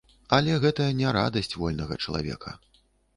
Але гэта не радасць вольнага чалавека.